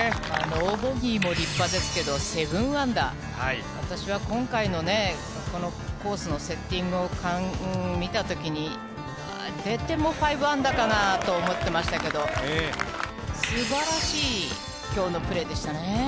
ノーボギーも立派ですけど、７アンダー、私は今回のね、このコースのセッティングを見たときに、出ても５アンダーかなと思ってましたけど、すばらしいきょうのプレーでしたね。